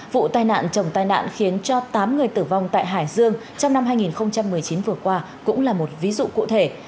vụ tai nạn trồng tai nạn khiến cho tám người tử vong tại hải dương trong năm hai nghìn một mươi chín vừa qua cũng là một ví dụ cụ thể